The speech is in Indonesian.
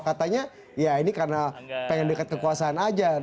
katanya ya ini karena pengen dekat kekuasaan aja